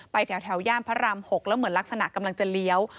แถวย่านพระราม๖แล้วเหมือนลักษณะกำลังจะเลี้ยว